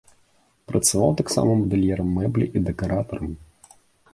Працаваў таксама мадэльерам мэблі і дэкаратарам.